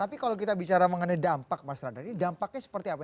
tapi kalau kita bicara mengenai dampak mas radar ini dampaknya seperti apa